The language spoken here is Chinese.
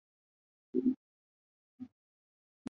下托拉姆。